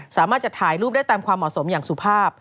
สามารถจะถ่ายรูปได้ตามความเหมาะสมอย่างสุภาพ